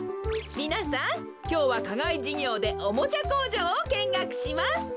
みなさんきょうはかがいじゅぎょうでおもちゃこうじょうをけんがくします。